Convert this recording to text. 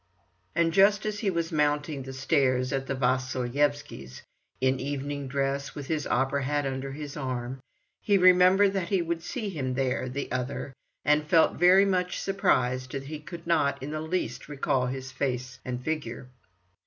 And just as he was mounting the stairs at the Vasilyevskys', in evening dress and with his opera hat under his arm, he remembered that he would see him there, the other, and felt very much surprised that he could not in the least recall his face and figure.